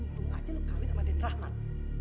untung aja kamu kahwin sama den rahmat